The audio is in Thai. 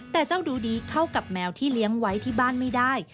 แต่เจ้าดูดีเข้ากับแมวที่เลี้ยงไว้ที่บ้านไม่ได้